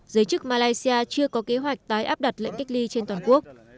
giới chức malaysia chưa có kế hoạch tái áp đặt lệnh cách ly trên toàn quốc